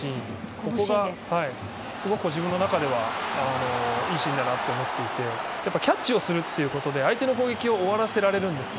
ここがすごく自分の中ではいいシーンだなと思っていてキャッチするってことで相手の攻撃を終わらせられるんです。